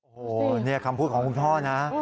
โอ้โหนี่คำพูดของคุณพ่อนะ